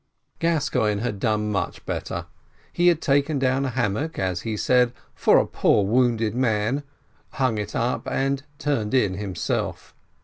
Gascoigne had done much better; he had taken down a hammock, as he said, for a poor wounded man, hung it up, and turned in himself.